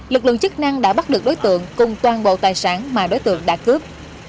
lực lượng chức năng đã bắt được đối tượng cùng toàn bộ tài sản mà đối tượng đã cướp